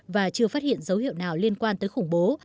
và chưa phát hiện dấu hiệu nào liên quan tới khủng bố